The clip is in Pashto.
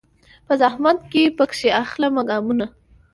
په زحمت چي پکښي اخلمه ګامونه